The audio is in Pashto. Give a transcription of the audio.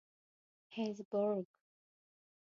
هېزبرګ.